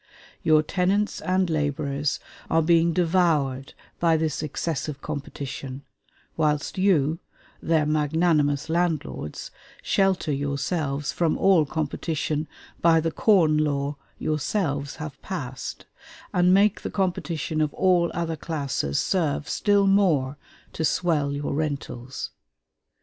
Your tenants and laborers are being devoured by this excessive competition, whilst you, their magnanimous landlords, shelter yourselves from all competition by the Corn Law yourselves have passed, and make the competition of all other classes serve still more to swell your rentals.